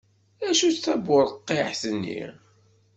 Acu d taburqiεt-nni?